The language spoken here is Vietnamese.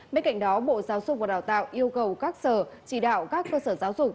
bên cạnh đó bộ giáo dục và đào tạo yêu cầu các sở chỉ đạo các cơ sở giáo dục